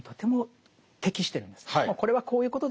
これはこういうことですよ。